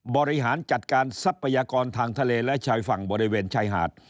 บริหารจัดการทรัพยากรทางทะเลและชายฝั่งบริเวณชายหาด